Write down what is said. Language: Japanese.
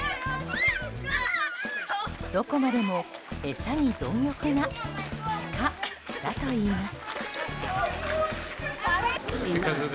どこまでも餌に貪欲なシカだといいます。